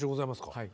はい。